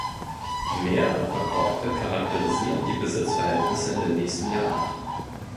Mehrere Verkäufe charakterisieren die Besitzverhältnisse in den nächsten Jahren.